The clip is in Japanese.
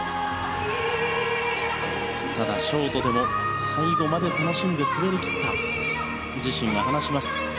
ショートでも最後まで楽しんで滑り切ったと自身は話します。